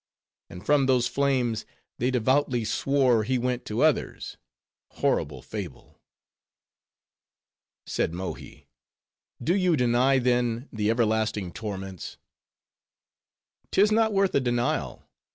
And from those flames, they devoutly swore he went to others,—horrible fable!" Said Mohi: "Do you deny, then, the everlasting torments?" "'Tis not worth a denial.